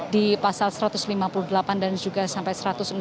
di pasal satu ratus lima puluh delapan dan juga sampai satu ratus enam puluh